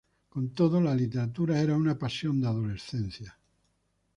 Con todo, la literatura era una pasión de adolescencia.